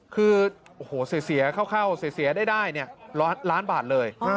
คือเสียเข้าเสียได้ล้านบาทเลย